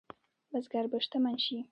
بزګر به شتمن شي؟